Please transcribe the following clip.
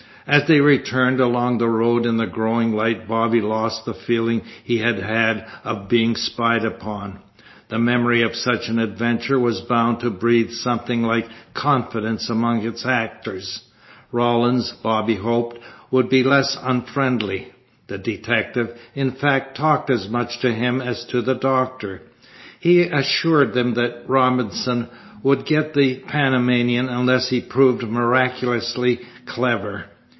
As they returned along the road in the growing light Bobby lost the feeling he had had of being spied upon. The memory of such an adventure was bound to breed something like confidence among its actors. Rawlins, Bobby hoped, would be less unfriendly. The detective, in fact, talked as much to him as to the doctor. He assured them that Robinson would get the Panamanian unless he proved miraculously clever.